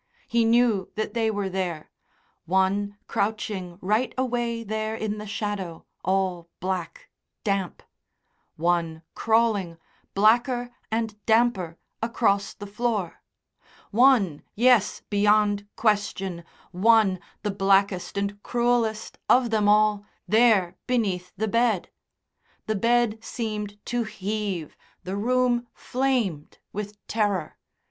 He knew that they were there one crouching right away there in the shadow, all black, damp; one crawling, blacker and damper, across the floor; one yes, beyond question one, the blackest and cruellest of them all, there beneath the bed. The bed seemed to heave, the room flamed with terror.